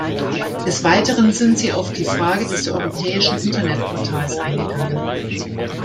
Des Weiteren sind Sie auf die Frage des europäischen Internetportals eingegangen.